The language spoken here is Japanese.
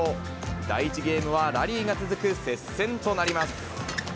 第１ゲームはラリーが続く接戦となります。